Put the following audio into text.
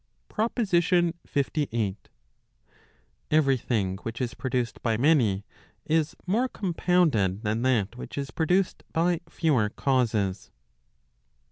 PROPOSITION LVIII. Every thing which is produced by many, is more compounded than that which is produced by fewer causes.